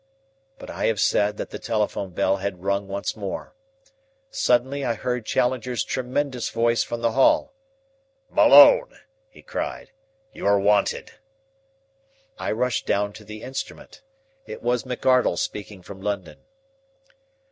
But I have said that the telephone bell had rung once more. Suddenly I heard Challenger's tremendous voice from the hall. "Malone!" he cried. "You are wanted." I rushed down to the instrument. It was McArdle speaking from London.